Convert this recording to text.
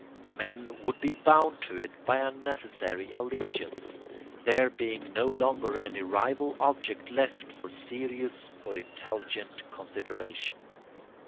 Men would be bound to it by a necessary allegiance, there being no longer any rival object left for serious or intelligent consideration.